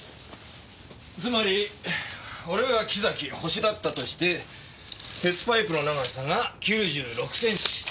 つまり俺が木崎ホシだったとして鉄パイプの長さが９６センチ。